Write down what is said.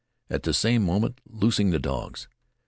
at the same moment loosing the dogs.